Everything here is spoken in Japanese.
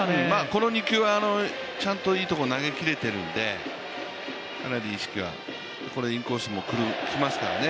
この２球はちゃんといいところに投げ切れているのでかなり意識がインコースも来ますからね。